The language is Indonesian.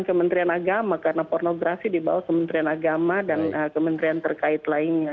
kementerian agama karena pornografi di bawah kementerian agama dan kementerian terkait lainnya